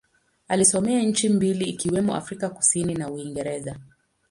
Alisomea nchi mbili ikiwemo Afrika Kusini na Uingereza.